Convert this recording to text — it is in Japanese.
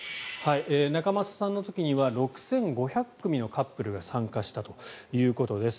仲正さんの時には６５００組のカップルが参加したということです。